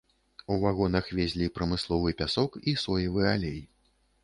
У вагонах везлі прамысловы пясок і соевы алей.